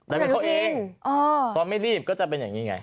คุณอนุพินตอนไม่รีบก็จะเป็นอย่างนี้ไง